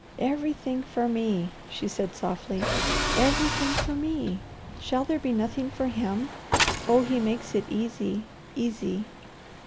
"Everything for me!" she said softly. "Everything for me! Shall there be nothing for him? Oh he makes it easy, easy!"